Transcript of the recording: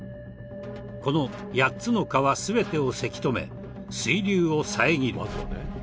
この８つの川全てをせき止め水流を遮る。